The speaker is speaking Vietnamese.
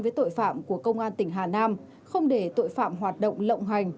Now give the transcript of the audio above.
với tội phạm của công an tỉnh hà nam không để tội phạm hoạt động lộng hành